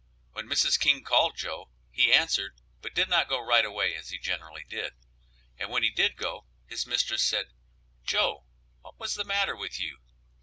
When Mrs. King called Joe, he answered, but did not go right away as he generally did, and when he did go his mistress said, "Joe, what was the matter with you?"